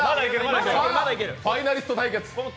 さあ、ファイナリスト対決。